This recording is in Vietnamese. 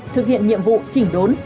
thực hiện nhiệm vụ chỉnh đốn